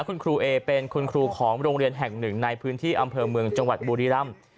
คุณครูเอเป็นคุณครูของโรงเรียนแห่งหนึ่งในพื้นที่อำเภอเมืองจังหวัดบุรีรำ